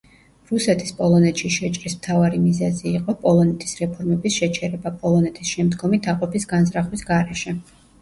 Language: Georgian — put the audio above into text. რუსეთის პოლონეთში შეჭრის მთავარი მიზეზი იყო, პოლონეთის რეფორმების შეჩერება, პოლონეთის შემდგომი დაყოფის განზრახვის გარეშე.